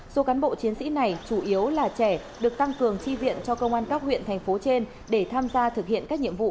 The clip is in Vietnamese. số cán bộ chiến sĩ này chủ yếu là trẻ được tăng cường chi viện cho công an các huyện thành phố trên để tham gia thực hiện các nhiệm vụ